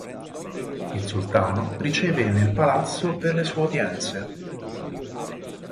Il Sultano riceve nel palazzo per le sue udienze.